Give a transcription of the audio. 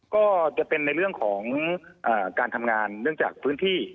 ก็จะเป็นในเรื่องของการทำงานเนื่องจากพื้นที่